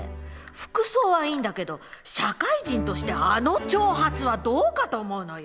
服装はいいんだけど社会人としてあの長髪はどうかと思うのよ。